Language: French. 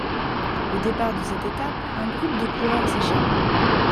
Au départ de cette étape, un groupe de coureurs s'échappe.